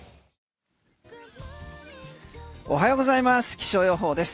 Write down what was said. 気象予報です。